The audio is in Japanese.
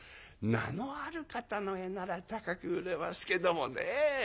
名のある方の絵なら高く売れますけどもねえ